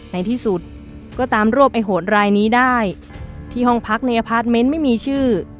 ในที่สุดก็ตามรวบไอ้โหดรายนี้ได้ที่ห้องพักในอพาร์ทเมนต์ไม่มีชื่อ